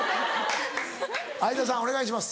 相田さんお願いします。